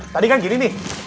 tadi kan gini nih